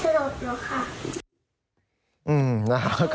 สลิบหนูค่ะ